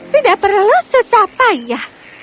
tidak perlu sesapa ya